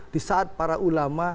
di saat para ulama